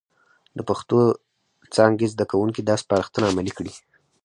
د پښتو څانګې زده کوونکي دا سپارښتنه عملي کړي،